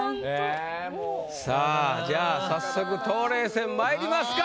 さぁじゃあ早速冬麗戦まいりますか。